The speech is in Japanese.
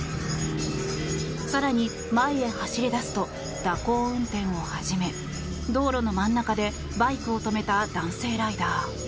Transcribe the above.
更に、前へ走り出すと蛇行運転を始め道路の真ん中でバイクを止めた男性ライダー。